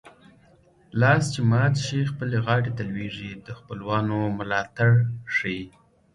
لاس چې مات شي خپلې غاړې ته لوېږي د خپلوانو ملاتړ ښيي